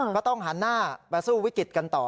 ก็ต้องหันหน้ามาสู้วิกฤตกันต่อ